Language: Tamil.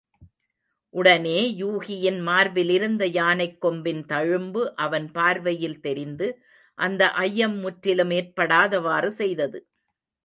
உடனே யூகியின் மார்பிலிருந்த யானைக் கொம்பின் தழும்பு அவன் பார்வையில் தெரிந்து, அந்த ஐயம் முற்றிலும் ஏற்படாதவாறு செய்தது.